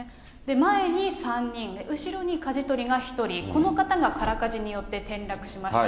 前に３人、後ろにかじ取りが１人、この方が空かじによって転落しました。